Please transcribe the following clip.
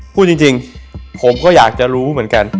พูดจริงผมก็อยากจะรู้เหมือนกัน